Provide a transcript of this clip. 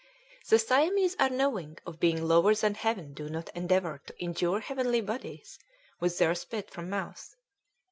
"The Siamese are knowing of being lower than heaven do not endeavor to injure heavenly bodies with their spit from mouth.